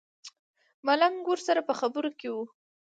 ملنګ ورسره په خبرو کې و.